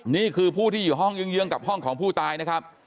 นี่คือผู้ที่อยู่ห้องเยื้องกับห้องของผู้ตายนะครับ